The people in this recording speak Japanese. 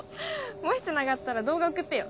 もしつながったら動画送ってよ。